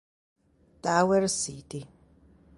Tower City